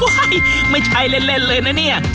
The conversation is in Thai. ไม่ใช่เล่นเลยนะเนี่ย